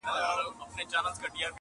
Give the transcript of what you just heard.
پلاره هیڅ ویلای نه سمه کړېږم,